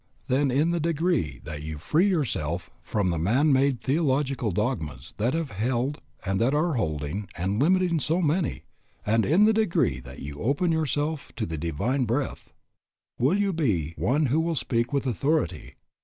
Then in the degree that you free yourself from the man made theological dogmas that have held and that are holding and limiting so many, and in the degree that you open yourself to the Divine Breath, will you be one who will speak with authority.